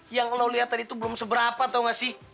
yang lo lihat tadi itu belum seberapa tau gak sih